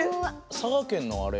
佐賀県のあれ。